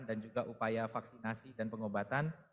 dan juga upaya vaksinasi dan pengobatan